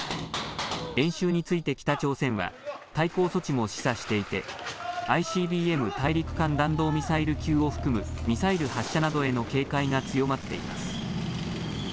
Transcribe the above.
演習について北朝鮮は対抗措置も示唆していてＩＣＢＭ・大陸間弾道ミサイル級を含むミサイル発射などへの警戒が強まっています。